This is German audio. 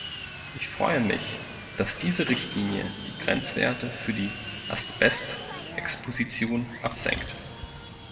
Ich freue mich, dass diese Richtlinie die Grenzwerte für die Asbestexposition absenkt.